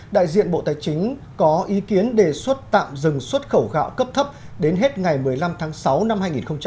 đại diện bộ tài chính có ý kiến đề xuất tạm dừng xuất khẩu gạo cấp thấp đến hết ngày một mươi năm tháng sáu năm hai nghìn hai mươi